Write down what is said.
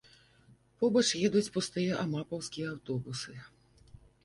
Побач едуць пустыя амапаўскія аўтобусы.